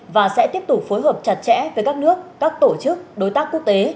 và sẽ tiếp tục phối hợp chặt chẽ với các nước các tổ chức đối tác quốc tế